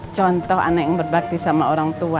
contoh anak yang berbakti sama orang tua